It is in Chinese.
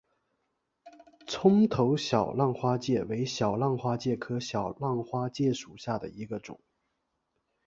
葱头小浪花介为小浪花介科小浪花介属下的一个种。